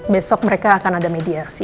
besok mereka akan ada mediasi